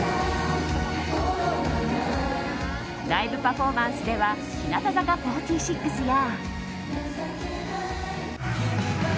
ライブパフォーマンスでは日向坂４６や。